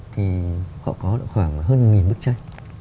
thì họ có khoảng hơn nghìn bức tranh